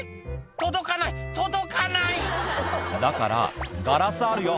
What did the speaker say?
届かない届かない」だからガラスあるよ